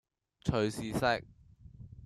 隨時食